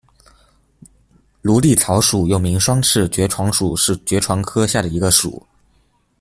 芦莉草属又名双翅爵床属是爵床科下的一个属。